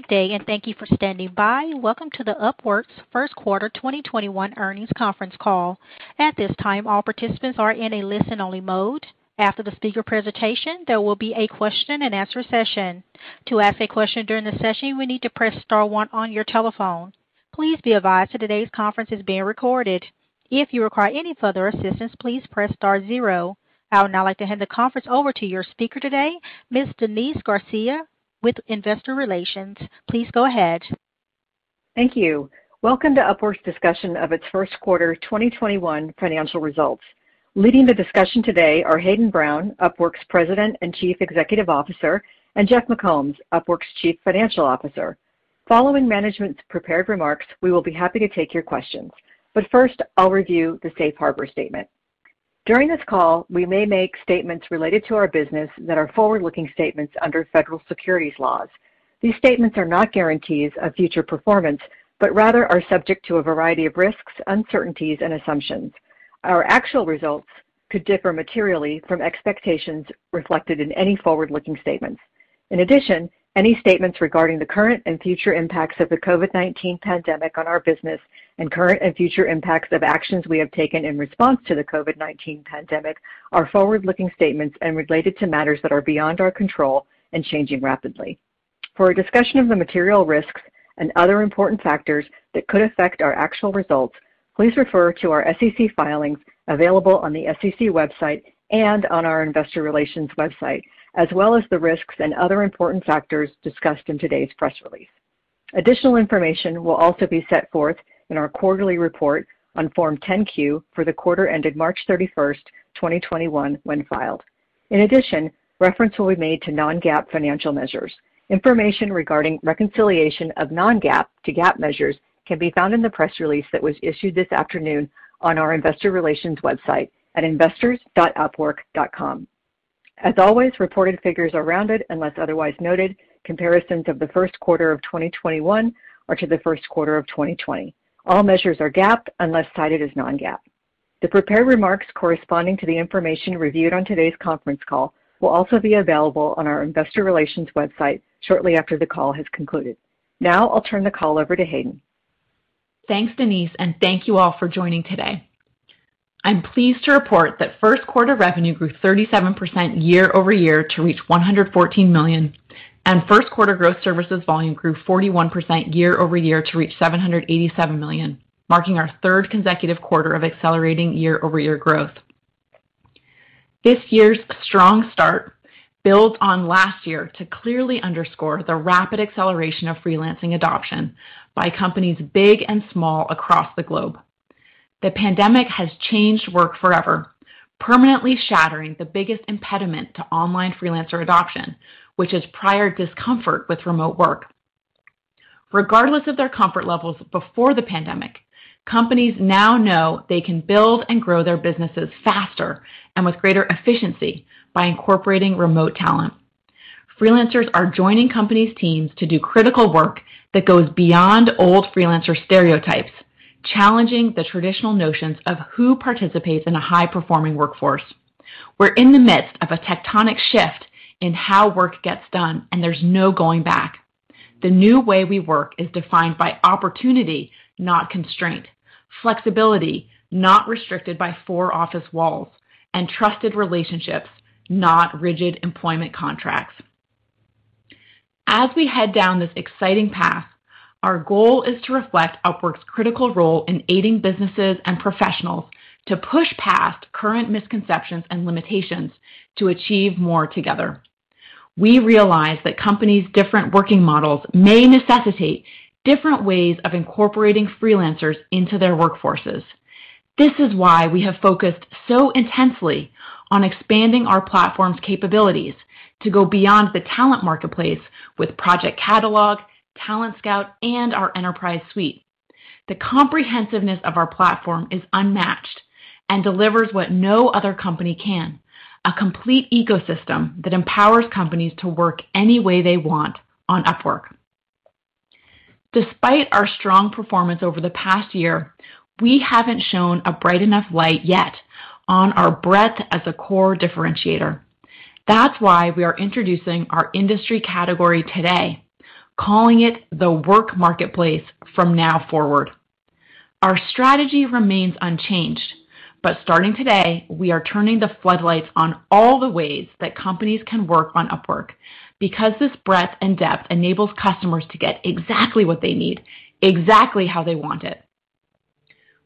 Good day, and thank you for standing by. Welcome to the Upwork's Q1 2021 earnings conference call. At this time, all participants are in a listen-only mode. After the speaker presentation, there will be a question and answer session. To ask a question during the session, you will need to press star one on your telephone. Please be advised that today's conference is being recorded. If you require any further assistance, please press star zero. I would now like to hand the conference over to your speaker today, Ms. Denise Garcia with investor relations. Please go ahead. Thank you. Welcome to Upwork's discussion of its Q1 2021 financial results. Leading the discussion today are Hayden Brown, Upwork's President and Chief Executive Officer, and Jeff McCombs, Upwork's Chief Financial Officer. Following management's prepared remarks, we will be happy to take your questions. First, I'll review the safe harbor statement. During this call, we may make statements related to our business that are forward-looking statements under federal securities laws. These statements are not guarantees of future performance, but rather are subject to a variety of risks, uncertainties, and assumptions. Our actual results could differ materially from expectations reflected in any forward-looking statements. In addition, any statements regarding the current and future impacts of the COVID-19 pandemic on our business and current and future impacts of actions we have taken in response to the COVID-19 pandemic are forward-looking statements and related to matters that are beyond our control and changing rapidly. For a discussion of the material risks and other important factors that could affect our actual results, please refer to our SEC filings available on the SEC website and on our investor relations website, as well as the risks and other important factors discussed in today's press release. Additional information will also be set forth in our quarterly report on Form 10-Q for the quarter ended March 31st, 2021, when filed. In addition, reference will be made to non-GAAP financial measures. Information regarding reconciliation of non-GAAP to GAAP measures can be found in the press release that was issued this afternoon on our investor relations website at investors.upwork.com. As always, reported figures are rounded unless otherwise noted. Comparisons of the Q1 of 2021 are to the Q1 of 2020. All measures are GAAP unless cited as non-GAAP. The prepared remarks corresponding to the information reviewed on today's conference call will also be available on our investor relations website shortly after the call has concluded. Now I'll turn the call over to Hayden. Thanks, Denise, and thank you all for joining today. I'm pleased to report that Q1 revenue grew 37% year-over-year to reach $114 million, and Q1 gross services volume grew 41% year-over-year to reach $787 million, marking our third consecutive quarter of accelerating year-over-year growth. This year's strong start builds on last year to clearly underscore the rapid acceleration of freelancing adoption by companies big and small across the globe. The pandemic has changed work forever, permanently shattering the biggest impediment to online freelancer adoption, which is prior discomfort with remote work. Regardless of their comfort levels before the pandemic, companies now know they can build and grow their businesses faster and with greater efficiency by incorporating remote talent. Freelancers are joining companies' teams to do critical work that goes beyond old freelancer stereotypes, challenging the traditional notions of who participates in a high-performing workforce. We're in the midst of a tectonic shift in how work gets done, and there's no going back. The new way we work is defined by opportunity, not constraint, flexibility, not restricted by four office walls, and trusted relationships, not rigid employment contracts. As we head down this exciting path, our goal is to reflect Upwork's critical role in aiding businesses and professionals to push past current misconceptions and limitations to achieve more together. We realize that companies' different working models may necessitate different ways of incorporating freelancers into their workforces. This is why we have focused so intensely on expanding our platform's capabilities to go beyond the Talent Marketplace with Project Catalog, Talent Scout, and our enterprise suite. The comprehensiveness of our platform is unmatched and delivers what no other company can: a complete ecosystem that empowers companies to work any way they want on Upwork. Despite our strong performance over the past year, we haven't shone a bright enough light yet on our breadth as a core differentiator. That's why we are introducing our industry category today, calling it the Work Marketplace from now forward. Our strategy remains unchanged, but starting today, we are turning the floodlights on all the ways that companies can work on Upwork because this breadth and depth enables customers to get exactly what they need, exactly how they want it.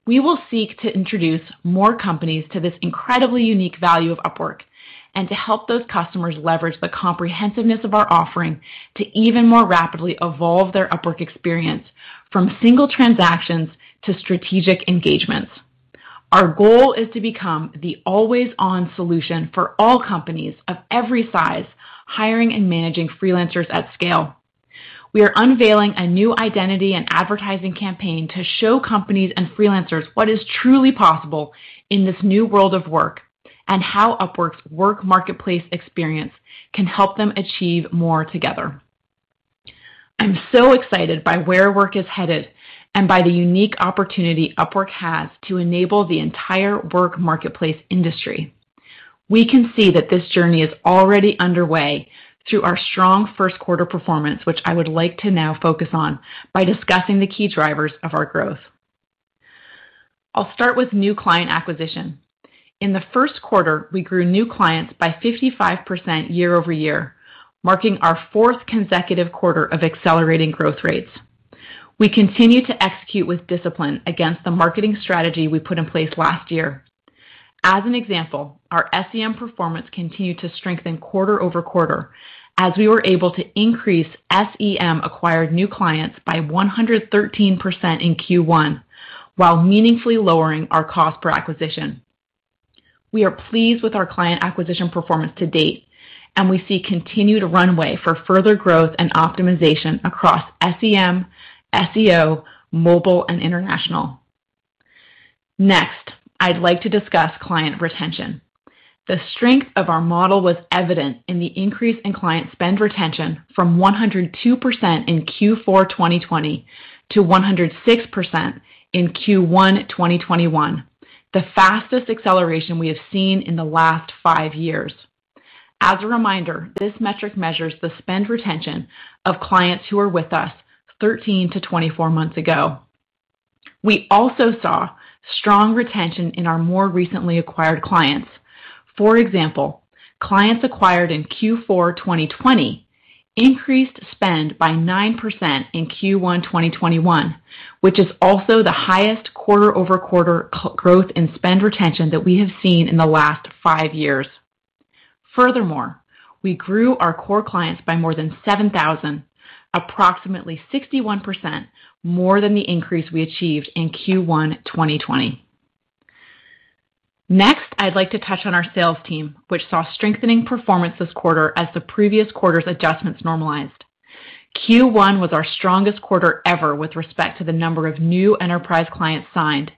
We will seek to introduce more companies to this incredibly unique value of Upwork and to help those customers leverage the comprehensiveness of our offering to even more rapidly evolve their Upwork experience from single transactions to strategic engagements. Our goal is to become the always-on solution for all companies of every size hiring and managing freelancers at scale. We are unveiling a new identity and advertising campaign to show companies and freelancers what is truly possible in this new world of work and how Upwork's Work Marketplace experience can help them achieve more together. I'm so excited by where work is headed. By the unique opportunity Upwork has to enable the entire work marketplace industry. We can see that this journey is already underway through our strong Q1 performance, which I would like to now focus on by discussing the key drivers of our growth. I'll start with new client acquisition. In the Q1, we grew new clients by 55% year-over-year, marking our fourth consecutive quarter of accelerating growth rates. We continue to execute with discipline against the marketing strategy we put in place last year. As an example, our SEM performance continued to strengthen quarter-over-quarter as we were able to increase SEM-acquired new clients by 113% in Q1 while meaningfully lowering our cost per acquisition. We are pleased with our client acquisition performance to date, and we see continued runway for further growth and optimization across SEM, SEO, mobile, and international. Next, I'd like to discuss client retention. The strength of our model was evident in the increase in client spend retention from 102% in Q4 2020 to 106% in Q1 2021, the fastest acceleration we have seen in the last five years. As a reminder, this metric measures the spend retention of clients who were with us 13 to 24 months ago. We also saw strong retention in our more recently acquired clients. For example, clients acquired in Q4 2020 increased spend by 9% in Q1 2021, which is also the highest quarter-over-quarter growth in spend retention that we have seen in the last five years. Furthermore, we grew our core clients by more than 7,000, approximately 61% more than the increase we achieved in Q1 2020. Next, I'd like to touch on our sales team, which saw strengthening performance this quarter as the previous quarter's adjustments normalized. Q1 was our strongest quarter ever with respect to the number of new enterprise clients signed,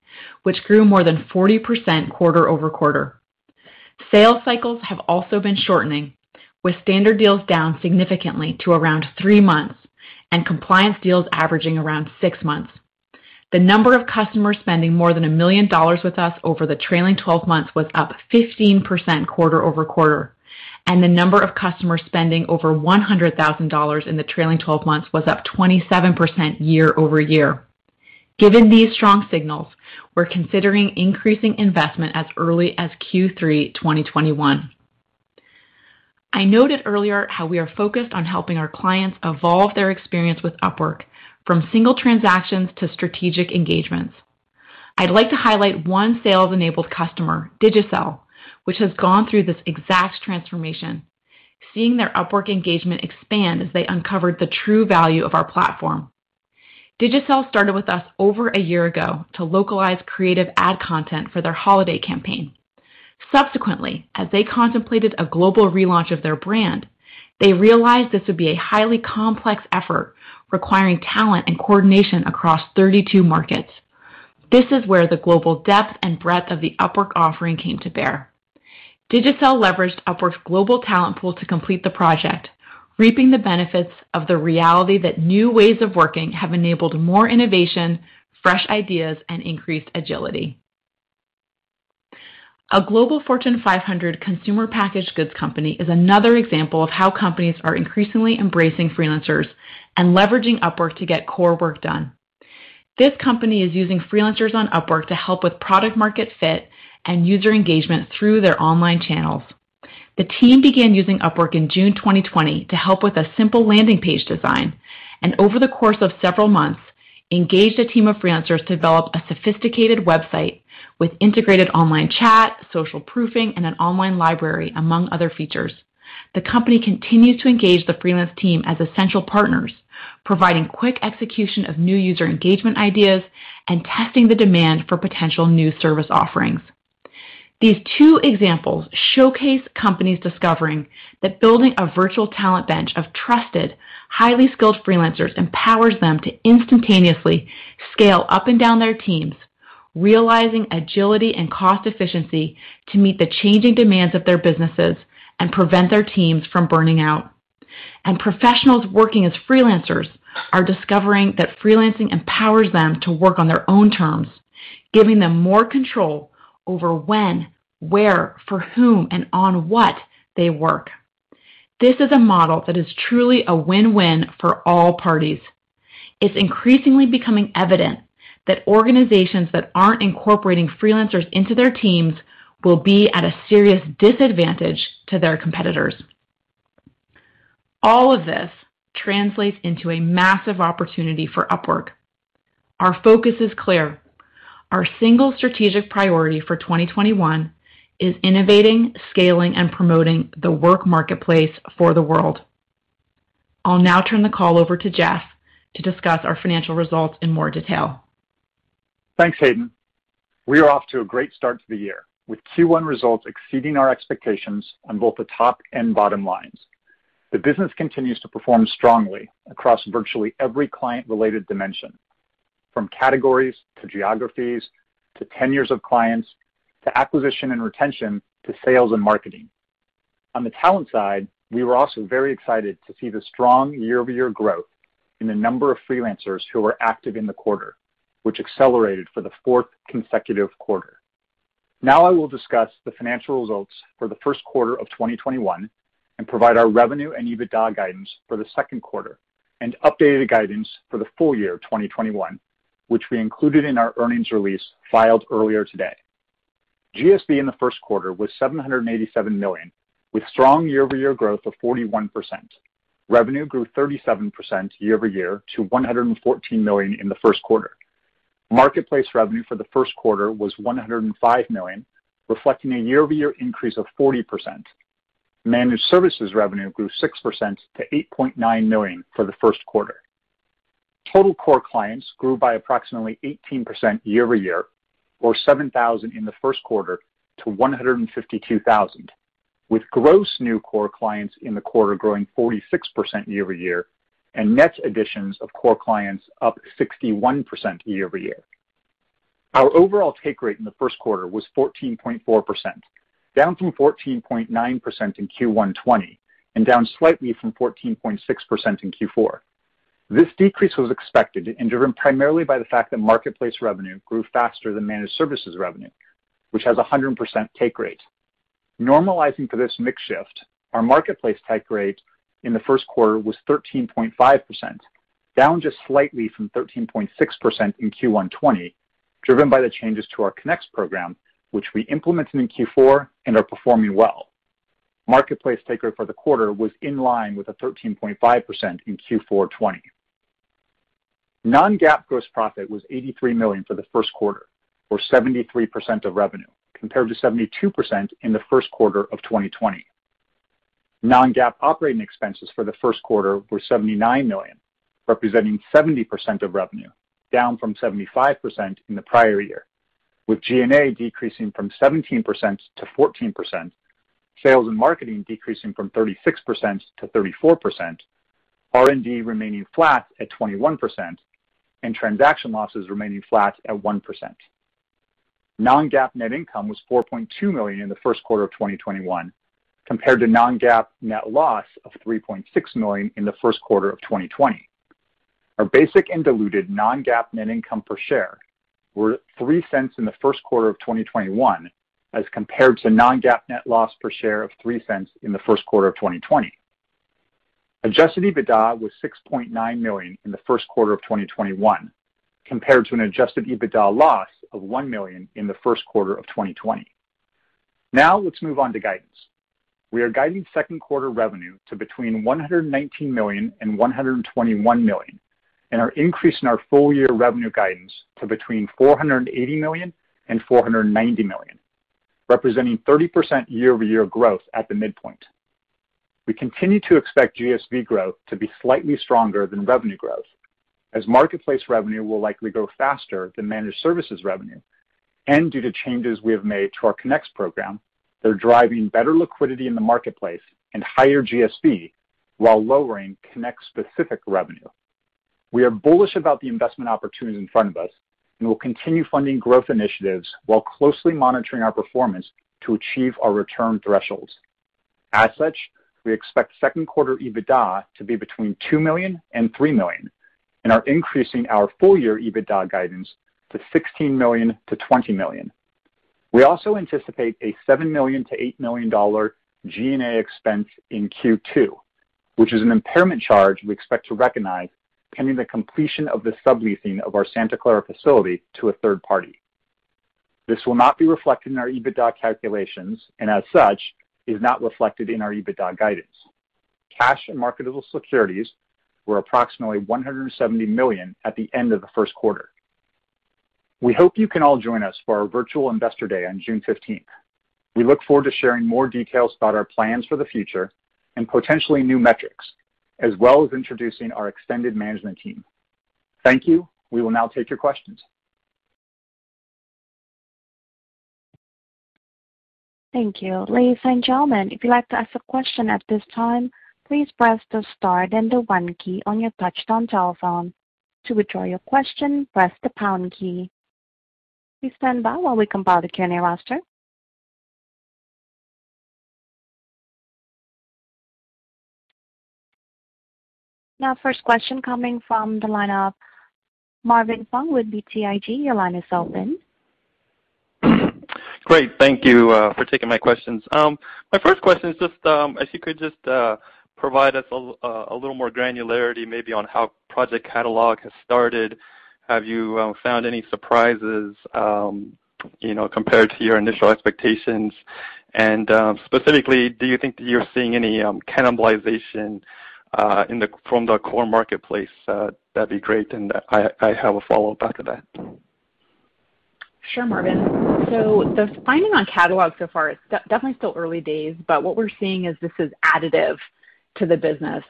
which grew more than 40% quarter-over-quarter. Sales cycles have also been shortening, with standard deals down significantly to around three months and compliance deals averaging around six months. The number of customers spending more than $1 million with us over the trailing 12 months was up 15% quarter-over-quarter, and the number of customers spending over $100,000 in the trailing 12 months was up 27% year-over-year. Given these strong signals, we're considering increasing investment as early as Q3 2021. I noted earlier how we are focused on helping our clients evolve their experience with Upwork from single transactions to strategic engagements. I'd like to highlight one sales-enabled customer, Digicel, which has gone through this exact transformation, seeing their Upwork engagement expand as they uncovered the true value of our platform. Digicel started with us over a year ago to localize creative ad content for their holiday campaign. Subsequently, as they contemplated a global relaunch of their brand, they realized this would be a highly complex effort requiring talent and coordination across 32 markets. This is where the global depth and breadth of the Upwork offering came to bear. Digicel leveraged Upwork's global talent pool to complete the project, reaping the benefits of the reality that new ways of working have enabled more innovation, fresh ideas, and increased agility. A global Fortune 500 consumer packaged goods company is another example of how companies are increasingly embracing freelancers and leveraging Upwork to get core work done. This company is using freelancers on Upwork to help with product market fit and user engagement through their online channels. The team began using Upwork in June 2020 to help with a simple landing page design, and over the course of several months, engaged a team of freelancers to develop a sophisticated website with integrated online chat, social proofing, and an online library, among other features. The company continues to engage the freelance team as essential partners, providing quick execution of new user engagement ideas and testing the demand for potential new service offerings. These two examples showcase companies discovering that building a virtual talent bench of trusted, highly skilled freelancers empowers them to instantaneously scale up and down their teams, realizing agility and cost efficiency to meet the changing demands of their businesses and prevent their teams from burning out. Professionals working as freelancers are discovering that freelancing empowers them to work on their own terms, giving them more control over when, where, for whom, and on what they work. This is a model that is truly a win-win for all parties. It's increasingly becoming evident that organizations that aren't incorporating freelancers into their teams will be at a serious disadvantage to their competitors. All of this translates into a massive opportunity for Upwork. Our focus is clear. Our single strategic priority for 2021 is innovating, scaling, and promoting the Work Marketplace for the world. I'll now turn the call over to Jeff to discuss our financial results in more detail. Thanks, Hayden. We are off to a great start to the year, with Q1 results exceeding our expectations on both the top and bottom lines. The business continues to perform strongly across virtually every client-related dimension, from categories to geographies, to tenures of clients, to acquisition and retention, to sales and marketing. On the talent side, we were also very excited to see the strong year-over-year growth in the number of freelancers who were active in the quarter, which accelerated for the fourth consecutive quarter. I will discuss the financial results for the Q1 of 2021 and provide our revenue and EBITDA guidance for the Q2 and updated guidance for the full year 2021, which we included in our earnings release filed earlier today. GSV in the Q1 was $787 million, with strong year-over-year growth of 41%. Revenue grew 37% year-over-year to $114 million in the Q1. Marketplace revenue for the Q1 was $105 million, reflecting a year-over-year increase of 40%. Managed services revenue grew 6% to $8.9 million for the Q1. Total core clients grew by approximately 18% year-over-year, or 7,000 in the Q1 to 152,000, with gross new core clients in the quarter growing 46% year-over-year and net additions of core clients up 61% year-over-year. Our overall take rate in the Q1 was 14.4%, down from 14.9% in Q1 2020, and down slightly from 14.6% in Q4. This decrease was expected and driven primarily by the fact that marketplace revenue grew faster than managed services revenue, which has 100% take rate. Normalizing for this mix shift, our marketplace take rate in the Q1 was 13.5%, down just slightly from 13.6% in Q1 2020, driven by the changes to our Connects program, which we implemented in Q4 and are performing well. Marketplace take rate for the quarter was in line with a 13.5% in Q4 2020. Non-GAAP gross profit was $83 million for the Q1, or 73% of revenue, compared to 72% in the Q1 of 2020. Non-GAAP operating expenses for the Q1 were $79 million, representing 70% of revenue, down from 75% in the prior year, with G&A decreasing from 17% to 14%, sales and marketing decreasing from 36% to 34%, R&D remaining flat at 21%, and transaction losses remaining flat at 1%. Non-GAAP net income was $4.2 million in the Q1 of 2021 compared to non-GAAP net loss of $3.6 million in the Q1 of 2020. Our basic and diluted non-GAAP net income per share were $0.03 in the Q1 of 2021 as compared to non-GAAP net loss per share of $0.03 in the Q1 of 2020. Adjusted EBITDA was $6.9 million in the Q1 of 2021 compared to an adjusted EBITDA loss of $1 million in the Q1 of 2020. We are guiding Q2 revenue to between $119 million and $121 million and are increasing our full year revenue guidance to between $480 million and $490 million, representing 30% year-over-year growth at the midpoint. We continue to expect GSV growth to be slightly stronger than revenue growth, as marketplace revenue will likely grow faster than managed services revenue, and due to changes we have made to our Connects program that are driving better liquidity in the marketplace and higher GSV while lowering Connect-specific revenue. We are bullish about the investment opportunities in front of us and will continue funding growth initiatives while closely monitoring our performance to achieve our return thresholds. As such, we expect Q2 EBITDA to be between $2 million and $3 million and are increasing our full year EBITDA guidance to $16 million to $20 million. We also anticipate a $7 million to $8 million G&A expense in Q2, which is an impairment charge we expect to recognize pending the completion of the subleasing of our Santa Clara facility to a third party. This will not be reflected in our EBITDA calculations and as such is not reflected in our EBITDA guidance. Cash and marketable securities were approximately $170 million at the end of the Q1. We hope you can all join us for our virtual investor day on June 15th. We look forward to sharing more details about our plans for the future and potentially new metrics, as well as introducing our extended management team. Thank you. We will now take your questions. Thank you. Ladies and gentlemen, First question coming from the line of Marvin Fong with BTIG. Your line is open. Great. Thank you for taking my questions. My first question is just if you could just provide us a little more granularity maybe on how Project Catalog has started. Have you found any surprises compared to your initial expectations? Specifically, do you think that you're seeing any cannibalization from the core marketplace? That'd be great, and I have a follow-up after that. Sure, Marvin. The finding on Catalog so far, it's definitely still early days, but what we're seeing is this is additive to the business.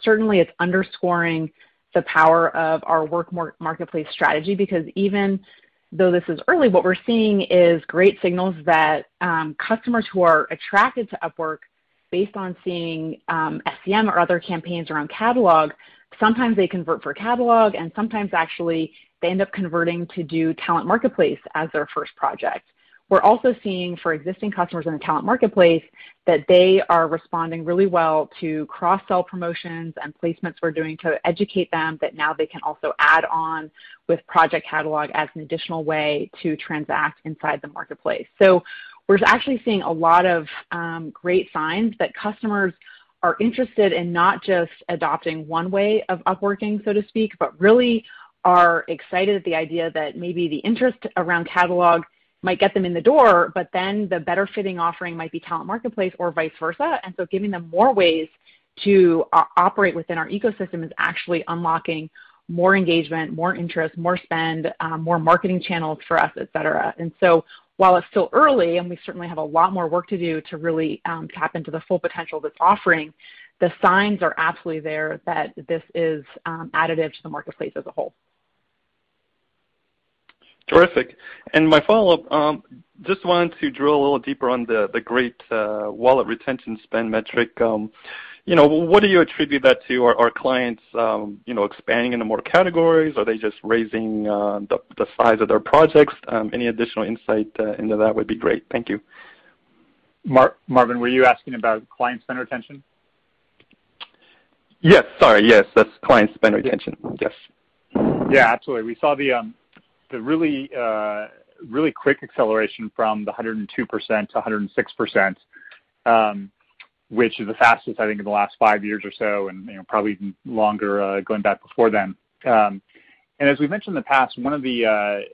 Certainly it's underscoring the power of our Work Marketplace strategy because even though this is early, what we're seeing is great signals that customers who are attracted to Upwork based on seeing SEM or other campaigns around Catalog, sometimes they convert for Catalog, and sometimes actually they end up converting to do Talent Marketplace as their first project. We're also seeing for existing customers in the Talent Marketplace that they are responding really well to cross-sell promotions and placements we're doing to educate them that now they can also add on with Project Catalog as an additional way to transact inside the marketplace. We're actually seeing a lot of great signs that customers are interested in not just adopting one way of Upworking, so to speak, but really are excited at the idea that maybe the interest around Catalog might get them in the door, but then the better-fitting offering might be Talent Marketplace or vice versa. Giving them more ways to operate within our ecosystem is actually unlocking more engagement, more interest, more spend, more marketing channels for us, et cetera. While it's still early, and we certainly have a lot more work to do to really tap into the full potential that's offering, the signs are absolutely there that this is additive to the marketplace as a whole. Terrific. My follow-up, just wanted to drill a little deeper on the great wallet retention spend metric. What do you attribute that to? Are clients expanding into more categories? Are they just raising the size of their projects? Any additional insight into that would be great. Thank you. Marvin, were you asking about client spend retention? Yes. Sorry. Yes, that's client spend retention. Yes. Yeah, absolutely. We saw the really quick acceleration from the 102% to 106%, which is the fastest, I think, in the last five years or so, and probably even longer going back before then. As we've mentioned in the past, one of the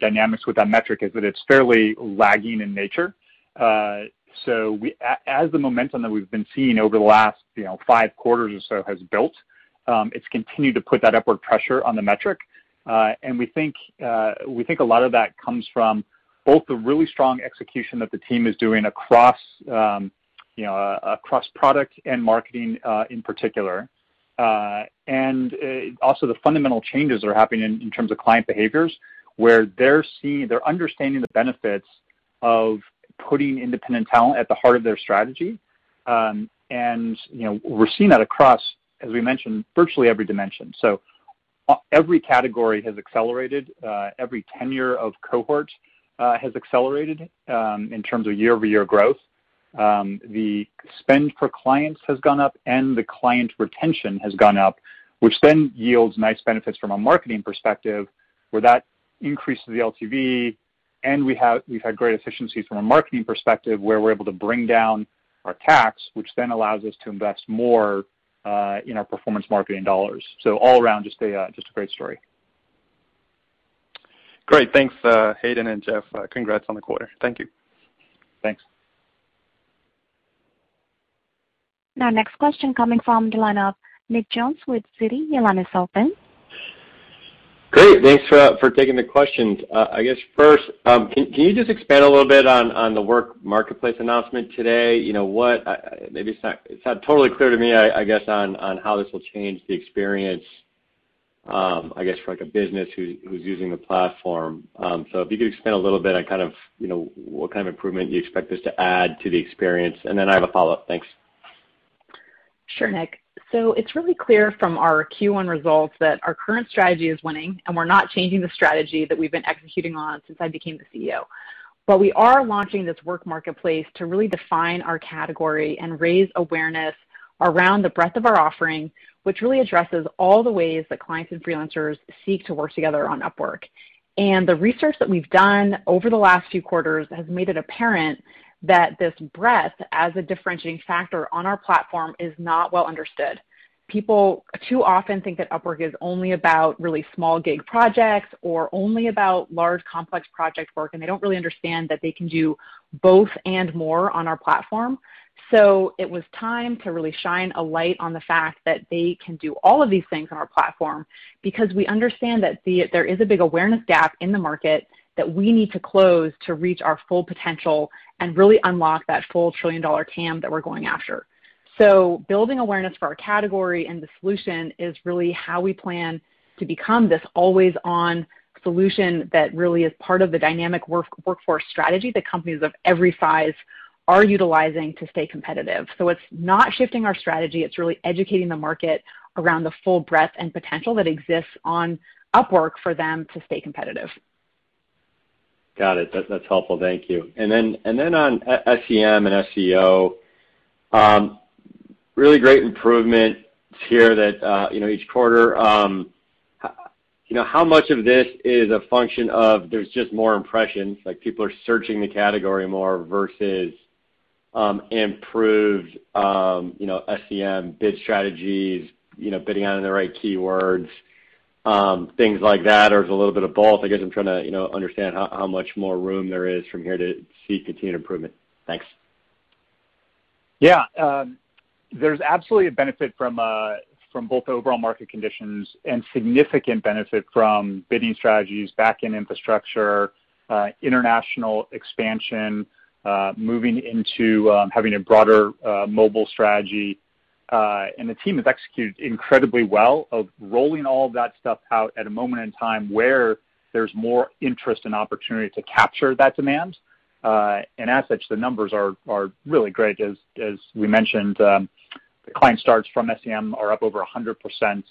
dynamics with that metric is that it's fairly lagging in nature. As the momentum that we've been seeing over the last five quarters or so has built, it's continued to put that upward pressure on the metric. We think a lot of that comes from both the really strong execution that the team is doing across product and marketing in particular. Also the fundamental changes that are happening in terms of client behaviors, where they're understanding the benefits of putting independent talent at the heart of their strategy. We're seeing that across, as we mentioned, virtually every dimension. Every category has accelerated. Every tenure of cohort has accelerated in terms of year-over-year growth. The spend per clients has gone up, and the client retention has gone up, which then yields nice benefits from a marketing perspective where that increases the LTV, and we've had great efficiency from a marketing perspective where we're able to bring down our CAC, which then allows us to invest more in our performance marketing dollars. All around, just a great story. Great. Thanks, Hayden and Jeff. Congrats on the quarter. Thank you. Thanks. Now next question coming from the line of Nick Jones with Citi. Your line is open. Great. Thanks for taking the questions. I guess first, can you just expand a little bit on the Work Marketplace announcement today? It's not totally clear to me, I guess, on how this will change the experience, I guess for like a business who's using the platform. If you could expand a little bit on what kind of improvement you expect this to add to the experience, and then I have a follow-up. Thanks. Sure, Nick. It's really clear from our Q1 results that our current strategy is winning, and we're not changing the strategy that we've been executing on since I became the CEO. We are launching this Work Marketplace to really define our category and raise awareness around the breadth of our offering, which really addresses all the ways that clients and freelancers seek to work together on Upwork. The research that we've done over the last few quarters has made it apparent that this breadth as a differentiating factor on our platform is not well understood. People too often think that Upwork is only about really small gig projects or only about large complex project work, and they don't really understand that they can do both and more on our platform. It was time to really shine a light on the fact that they can do all of these things on our platform because we understand that there is a big awareness gap in the market that we need to close to reach our full potential and really unlock that full trillion-dollar TAM that we're going after. Building awareness for our category and the solution is really how we plan to become this always-on solution that really is part of the dynamic workforce strategy that companies of every size are utilizing to stay competitive. It's not shifting our strategy, it's really educating the market around the full breadth and potential that exists on Upwork for them to stay competitive. Got it. That's helpful. Thank you. On SEM and SEO, really great improvement here that each quarter. How much of this is a function of there's just more impressions, like people are searching the category more versus improved SEM bid strategies, bidding on the right keywords, things like that, or is it a little bit of both? I guess I'm trying to understand how much more room there is from here to see continued improvement. Thanks. Yeah. There's absolutely a benefit from both the overall market conditions and significant benefit from bidding strategies, back-end infrastructure, international expansion, moving into having a broader mobile strategy. The team has executed incredibly well of rolling all of that stuff out at a moment in time where there's more interest and opportunity to capture that demand. As such, the numbers are really great. As we mentioned, the client starts from SEM are up over 100%.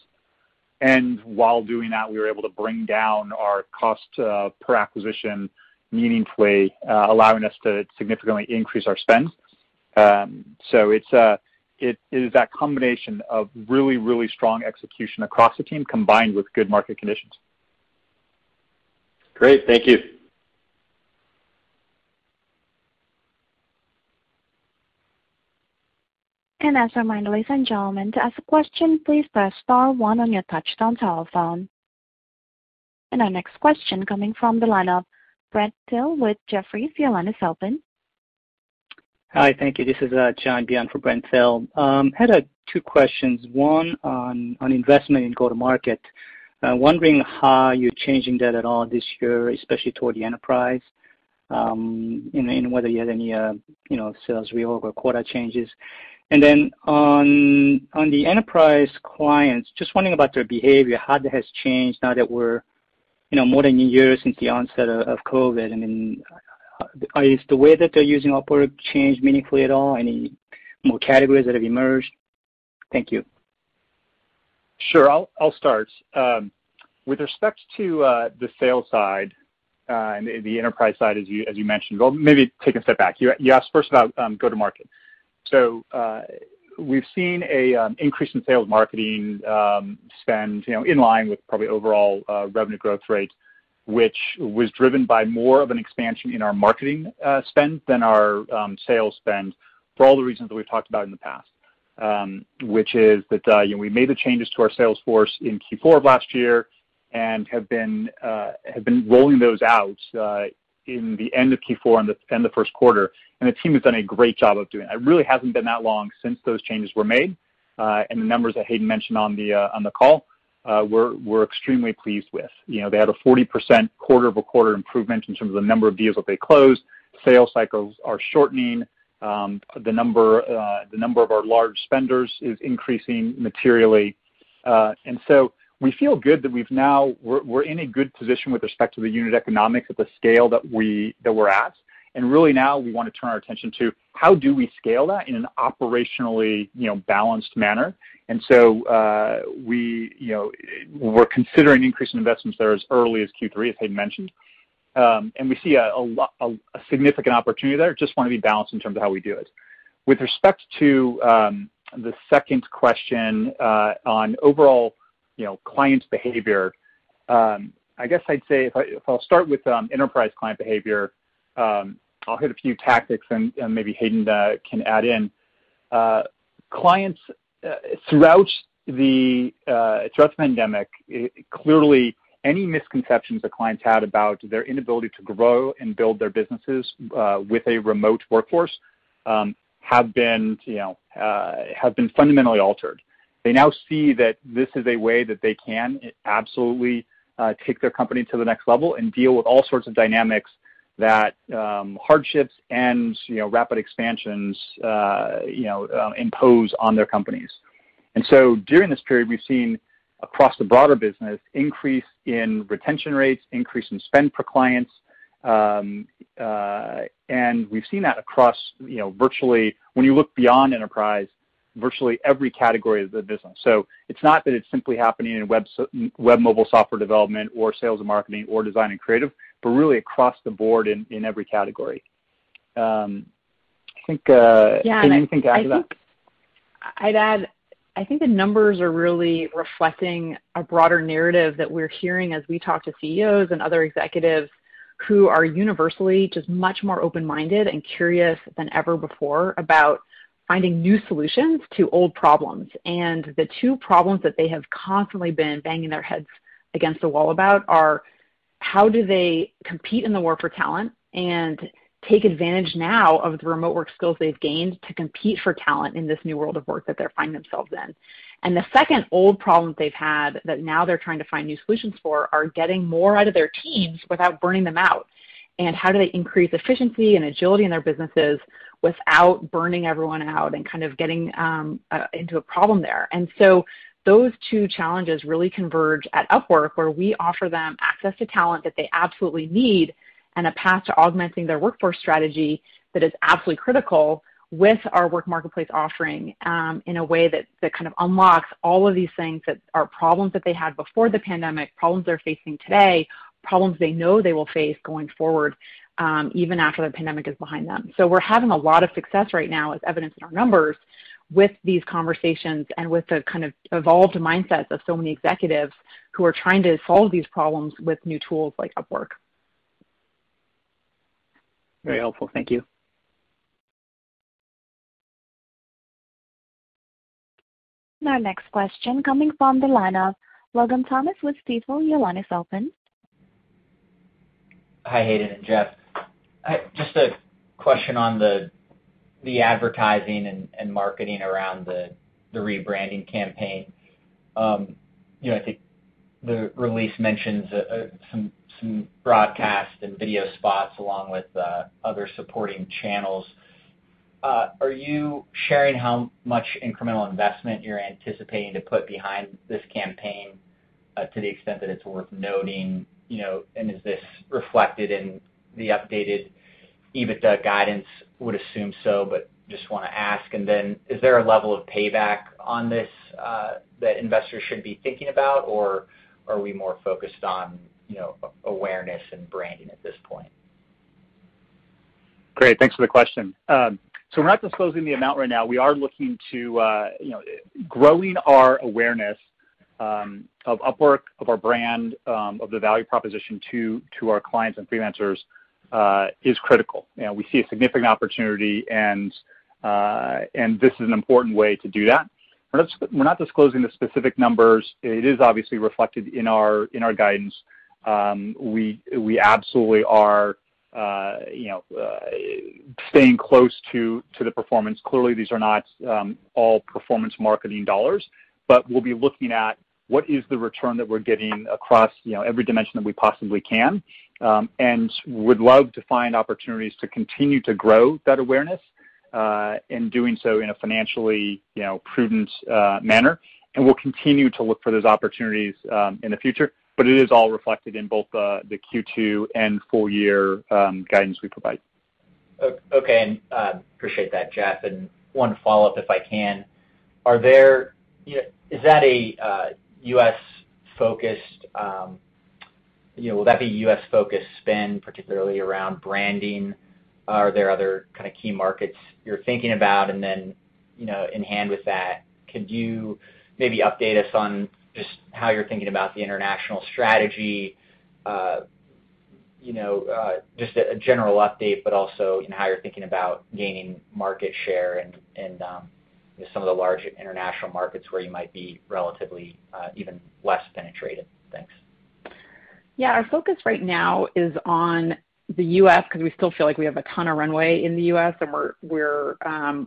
While doing that, we were able to bring down our cost per acquisition meaningfully, allowing us to significantly increase our spend. It is that combination of really, really strong execution across the team, combined with good market conditions. Great. Thank you. As a reminder, ladies and gentlemen, to ask a question, please press star one on your touch-tone telephone. Our next question coming from the line of Brent Thill with Jefferies. Your line is open. Hi. Thank you. This is John Byun for Brent Thill. Had two questions. One on investment in go-to-market. Wondering how you're changing that at all this year, especially toward the enterprise, and whether you had any sales reorg or quota changes. Then on the enterprise clients, just wondering about their behavior, how that has changed now that we're more than a year since the onset of COVID-19. I mean, is the way that they're using Upwork changed meaningfully at all? Any more categories that have emerged? Thank you. Sure. I'll start. With respect to the sales side, the enterprise side as you mentioned. Well, maybe take a step back. You asked first about go-to-market. We've seen an increase in sales marketing spend, in line with probably overall revenue growth rate, which was driven by more of an expansion in our marketing spend than our sales spend, for all the reasons that we've talked about in the past, which is that we made the changes to our sales force in Q4 of last year and have been rolling those out in the end of Q4 and the Q1, and the team has done a great job of doing that. It really hasn't been that long since those changes were made. The numbers that Hayden mentioned on the call, we're extremely pleased with. They had a 40% quarter-over-quarter improvement in terms of the number of deals that they closed. Sales cycles are shortening. The number of our large spenders is increasing materially. We feel good that we're in a good position with respect to the unit economics at the scale that we're at. Really now we want to turn our attention to how do we scale that in an operationally balanced manner. We're considering increasing investments there as early as Q3, as Hayden mentioned. We see a significant opportunity there, just want to be balanced in terms of how we do it. With respect to the second question on overall client behavior, I guess I'd say, if I'll start with enterprise client behavior, I'll hit a few tactics and maybe Hayden can add in. Clients throughout the pandemic, clearly any misconceptions that clients had about their inability to grow and build their businesses with a remote workforce have been fundamentally altered. They now see that this is a way that they can absolutely take their company to the next level and deal with all sorts of dynamics that hardships and rapid expansions impose on their companies. During this period, we've seen across the broader business, increase in retention rates, increase in spend per clients. We've seen that across virtually, when you look beyond enterprise, virtually every category of the business. It's not that it's simply happening in web mobile software development or sales and marketing or design and creative, but really across the board in every category. I think, Hayden, anything to add to that? Yeah. I think I'd add, I think the numbers are really reflecting a broader narrative that we're hearing as we talk to CEOs and other executives who are universally just much more open-minded and curious than ever before about finding new solutions to old problems. The two problems that they have constantly been banging their heads against the wall about are how do they compete in the war for talent and take advantage now of the remote work skills they've gained to compete for talent in this new world of work that they find themselves in. The second old problem they've had that now they're trying to find new solutions for, are getting more out of their teams without burning them out. How do they increase efficiency and agility in their businesses without burning everyone out and kind of getting into a problem there. Those two challenges really converge at Upwork, where we offer them access to talent that they absolutely need and a path to augmenting their workforce strategy that is absolutely critical with our Work Marketplace offering, in a way that kind of unlocks all of these things that are problems that they had before the pandemic, problems they're facing today, problems they know they will face going forward, even after the pandemic is behind them. We're having a lot of success right now, as evidenced in our numbers, with these conversations and with the kind of evolved mindsets of so many executives who are trying to solve these problems with new tools like Upwork. Very helpful. Thank you. Our next question coming from the line of Logan Thomas with Stifel. Your line is open. Hi, Hayden and Jeff. Just a question on the advertising and marketing around the rebranding campaign. I think the release mentions some broadcast and video spots along with other supporting channels. Are you sharing how much incremental investment you're anticipating to put behind this campaign? To the extent that it's worth noting, is this reflected in the updated EBITDA guidance? Would assume so, just want to ask. Is there a level of payback on this that investors should be thinking about, or are we more focused on awareness and branding at this point? Great, thanks for the question. We're not disclosing the amount right now. We are looking to growing our awareness of Upwork, of our brand, of the value proposition to our clients and freelancers is critical. We see a significant opportunity, and this is an important way to do that. We're not disclosing the specific numbers. It is obviously reflected in our guidance. We absolutely are staying close to the performance. Clearly, these are not all performance marketing dollars, we'll be looking at what is the return that we're getting across every dimension that we possibly can. Would love to find opportunities to continue to grow that awareness, and doing so in a financially prudent manner. We'll continue to look for those opportunities in the future. It is all reflected in both the Q2 and full-year guidance we provide. Okay. Appreciate that, Jeff. One follow-up, if I can. Will that be U.S.-focused spend, particularly around branding? Are there other kind of key markets you're thinking about? In hand with that, could you maybe update us on just how you're thinking about the international strategy? Just a general update, but also in how you're thinking about gaining market share and some of the large international markets where you might be relatively even less penetrated. Thanks. Yeah. Our focus right now is on the U.S. because we still feel like we have a ton of runway in the U.S., and we're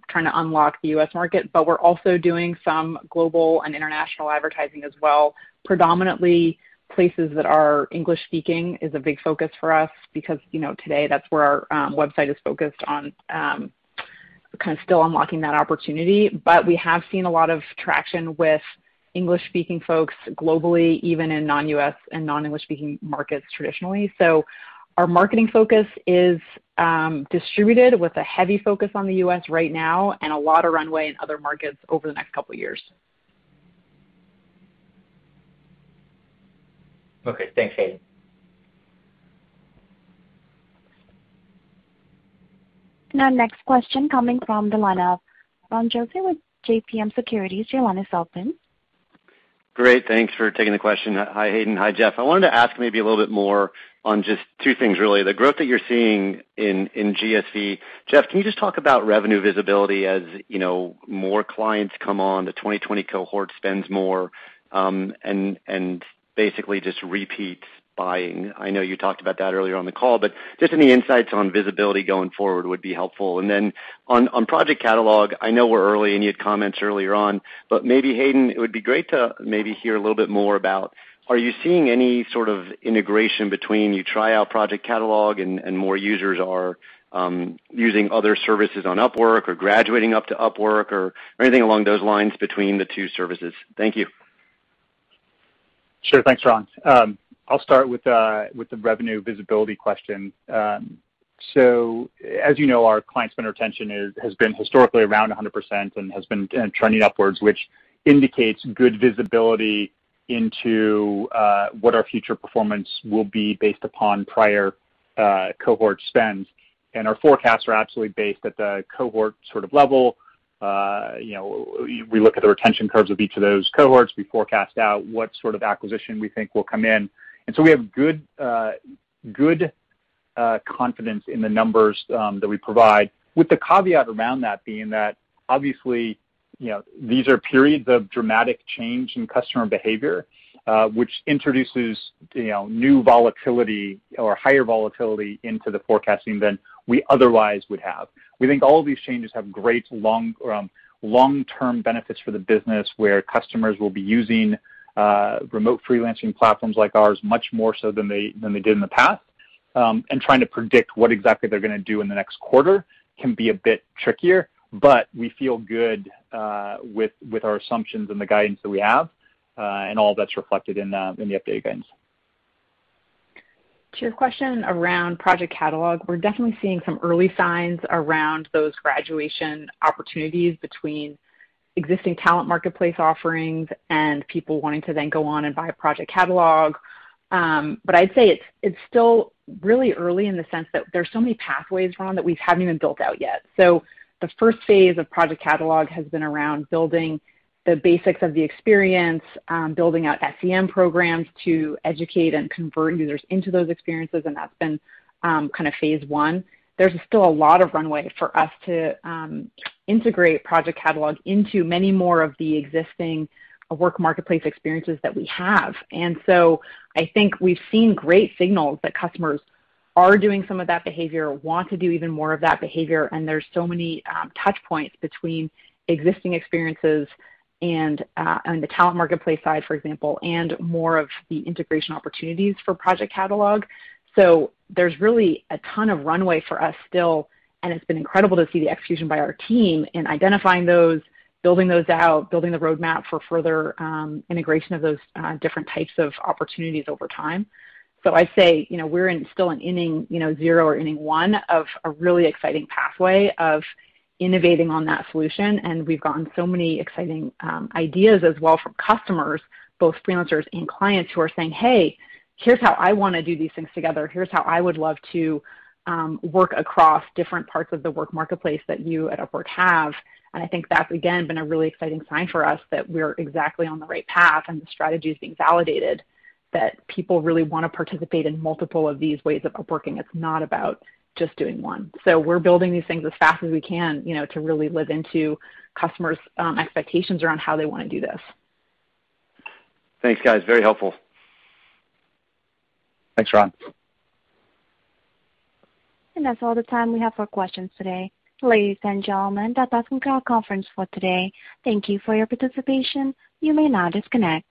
trying to unlock the U.S. market. We're also doing some global and international advertising as well. Predominantly places that are English-speaking is a big focus for us because today that's where our website is focused on kind of still unlocking that opportunity. We have seen a lot of traction with English-speaking folks globally, even in non-U.S. and non-English-speaking markets traditionally. Our marketing focus is distributed with a heavy focus on the U.S. right now and a lot of runway in other markets over the next couple of years. Okay. Thanks, Hayden. Now next question coming from the line of Ron Josey with JPM Securities. Your line is open Great. Thanks for taking the question. Hi, Hayden. Hi, Jeff. I wanted to ask maybe a little bit more on just two things, really. The growth that you're seeing in GSV. Jeff, can you just talk about revenue visibility as more clients come on, the 2020 cohort spends more, and basically just repeats buying. I know you talked about that earlier on the call, just any insights on visibility going forward would be helpful. On Project Catalog, I know we're early and you had comments earlier on, maybe Hayden, it would be great to maybe hear a little bit more about, are you seeing any sort of integration between you try out Project Catalog and more users are using other services on Upwork or graduating up to Upwork or anything along those lines between the two services? Thank you. Sure. Thanks, Ron. I'll start with the revenue visibility question. As you know, our client spend retention has been historically around 100% and has been trending upwards, which indicates good visibility into what our future performance will be based upon prior cohort spends. Our forecasts are absolutely based at the cohort sort of level. We look at the retention curves of each of those cohorts. We forecast out what sort of acquisition we think will come in. We have good confidence in the numbers that we provide with the caveat around that being that obviously, these are periods of dramatic change in customer behavior, which introduces new volatility or higher volatility into the forecasting than we otherwise would have. We think all of these changes have great long-term benefits for the business, where customers will be using remote freelancing platforms like ours much more so than they did in the past. Trying to predict what exactly they're gonna do in the next quarter can be a bit trickier, but we feel good with our assumptions and the guidance that we have, and all that's reflected in the updated guidance. To your question around Project Catalog, we're definitely seeing some early signs around those graduation opportunities between existing Talent Marketplace offerings and people wanting to then go on and buy a Project Catalog. I'd say it's still really early in the sense that there's so many pathways, Ron, that we haven't even built out yet. The first phase of Project Catalog has been around building the basics of the experience, building out SEM programs to educate and convert users into those experiences, and that's been kind of phase I. There's still a lot of runway for us to integrate Project Catalog into many more of the existing Work Marketplace experiences that we have. I think we've seen great signals that customers are doing some of that behavior, want to do even more of that behavior, and there's so many touch points between existing experiences and the Talent Marketplace side, for example, and more of the integration opportunities for Project Catalog. There's really a ton of runway for us still, and it's been incredible to see the execution by our team in identifying those, building those out, building the roadmap for further integration of those different types of opportunities over time. I say we're in still an inning 0 or inning 1 of a really exciting pathway of innovating on that solution, and we've gotten so many exciting ideas as well from customers, both freelancers and clients who are saying, "Hey, here's how I wanna do these things together. Here's how I would love to work across different parts of the Work Marketplace that you at Upwork have." I think that's, again, been a really exciting sign for us that we're exactly on the right path and the strategy is being validated, that people really wanna participate in multiple of these ways of Upworking. It's not about just doing one. We're building these things as fast as we can to really live into customers' expectations around how they wanna do this. Thanks, guys. Very helpful. Thanks, Ron. That's all the time we have for questions today. Ladies and gentlemen, that does conclude conference for today. Thank you for your participation. You may now disconnect.